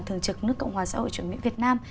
thường trực nước cộng hòa xã hội chủ nghĩa việt nam